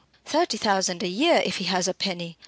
Thirty thousand a year, if he has a penny.